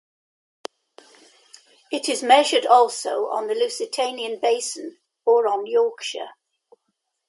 It is measured also on the Lusitanian Basin or on Yorkshire.